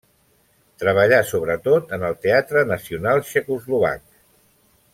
Treballà sobretot en el Teatre Nacional Txecoslovac.